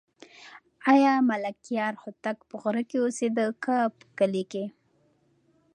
آیا ملکیار هوتک په غره کې اوسېده که په کلي کې؟